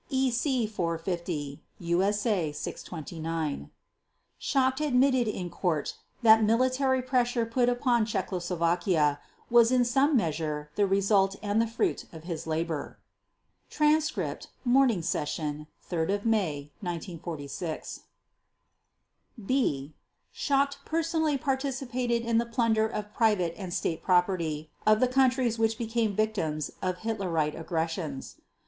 (EC 450, USA 629) Schacht admitted in Court that military pressure put upon Czechoslovakia was "in some measure the result and the fruit of his labor" (Transcript, Morning Session, 3 May 1946). b) Schacht personally participated in the plunder of private and State property of the countries which became victims of Hitlerite aggressions.